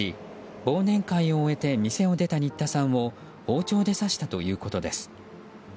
忘年会を終えて店を出た新田さんを包丁で刺したということです。